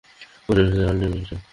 Good night mister Almeida.